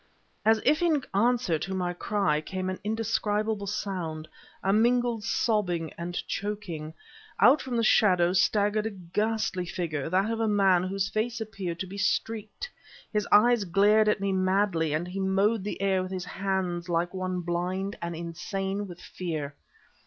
As if in answer to my cry came an indescribable sound, a mingled sobbing and choking. Out from the shadows staggered a ghastly figure that of a man whose face appeared to be streaked. His eyes glared at me madly and he mowed the air with his hands like one blind and insane with fear.